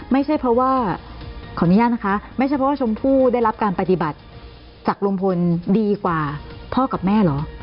ไม่ใช่เพราะว่าขออนุญาตนะคะไม่ใช่เพราะว่าชมพู่ได้รับการปฏิบัติจากลุงพลดีกว่าพ่อกับแม่เหรอ